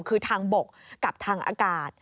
คือทางบกกับทางอากาศ